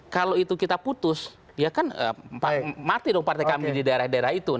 kalau itu kita putus ya kan mati dong partai kami di daerah daerah itu